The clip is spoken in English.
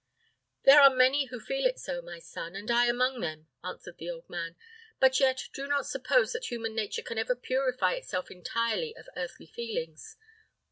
"There are many who feel it so, my son, and I among them," answered the old man; "but yet, do not suppose that human nature can ever purify itself entirely of earthly feelings.